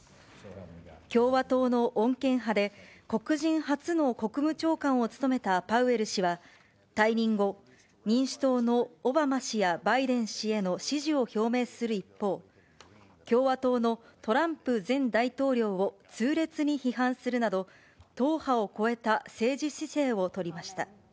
共和党の穏健派で黒人初の国務長官を務めたパウエル氏は、退任後、民主党のオバマ氏やバイデン氏への支持を表明する一方、共和党のトランプ前大統領を痛烈に批判するなど、党派を超えた政治姿勢を取りました。